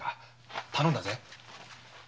頼んだぜ。